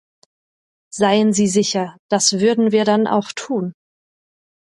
Seien Sie sicher, das würden wir dann auch tun!